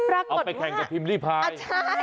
อ๋อเอาไปแข่งกับพิมริพาย